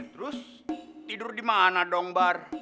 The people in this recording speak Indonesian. terus tidur di mana dong bar